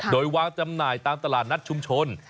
โดยวางจำหน่ายตามตลาดนัดชุมชน